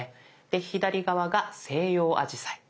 で左側が西洋アジサイ。